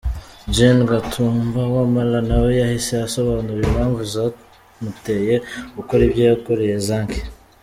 Gen. Katumba Wamala nawe yahise asobanura impamvu zamuteye gukora ibyo yakoreye Zaake.